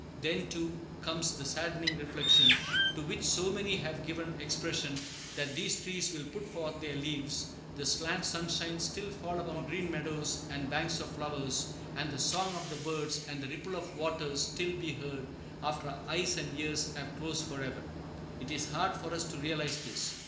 Then, too, comes the saddening reflection, to which so many have given expression, that these trees will put forth their leaves, the slant sunshine still fall upon green meadows and banks of flowers, and the song of the birds and the ripple of waters still be heard after our eyes and ears have closed forever. It is hard for us to realize this.